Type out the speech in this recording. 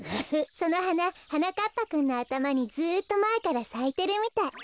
そのはなはなかっぱくんのあたまにずっとまえからさいてるみたい。